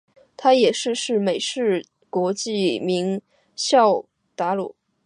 它也是是美式国际名校达卡市所在地。